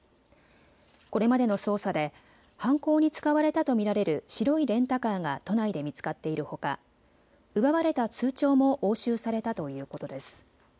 これまでの捜査で犯行に使われたと見られる白いレンタカーが都内で見つかっているほか奪われた通帳も押収されたということです。